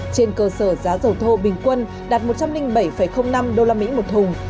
trên cơ sở giá dầu thô bình quân đạt một trăm linh bảy năm usd một thùng